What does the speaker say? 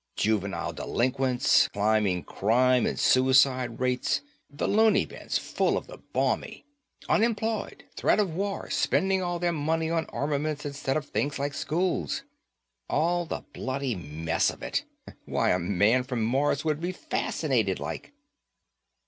Juvenile delinquents, climbing crime and suicide rates, the loony bins full of the balmy, unemployed, threat of war, spending all their money on armaments instead of things like schools. All the bloody mess of it. Why, a man from Mars would be fascinated, like."